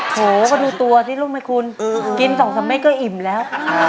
โหก็ดูตัวสิรูปไหมคุณกิน๒๓เม็ดก็อิ่มแล้ว